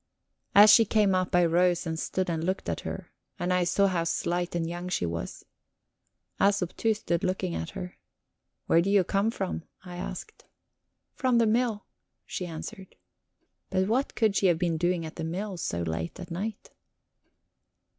As she came up I rose and stood and looked at her, and I saw how slight and young she was. Æsop, too, stood looking at her. "Where do you come from?" I asked. "From the mill," she answered. But what could she have been doing at the mill so late at night?